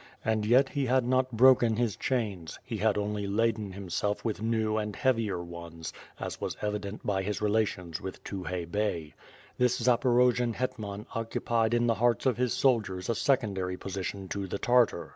And yet he had not broken his chains; he had (mly laden himself with new and heavier ones, as was evident by his relations with Tukhay Bey. This Zaporojian hetman occupied in the hearts of his soldiers a secondary position to the Tartar.